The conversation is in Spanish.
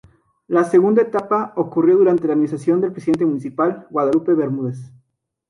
La segunda etapa ocurrió durante la administración del presidente municipal, Guadalupe Bermúdez.